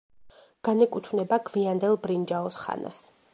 განეკუთვნება გვიანდელ ბრინჯაოს ხანას.